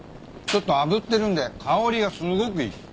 ちょっとあぶってるんで香りがすごくいい。